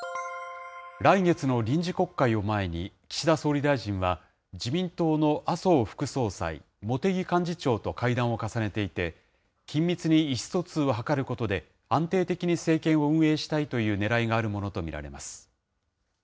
来月の臨時国会を前に、岸田総理大臣は、自民党の麻生副総裁、茂木幹事長と会談を重ねていて、緊密に意思疎通を図ることで、安定的に政権を運営したいというねらいがあるものと見られます。